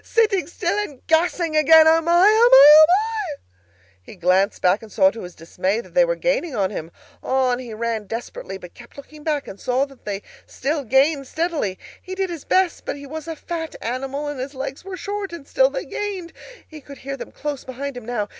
Sitting still and gassing again! O my! O my! O my!" He glanced back, and saw to his dismay that they were gaining on him. On he ran desperately, but kept looking back, and saw that they still gained steadily. He did his best, but he was a fat animal, and his legs were short, and still they gained. He could hear them close behind him now.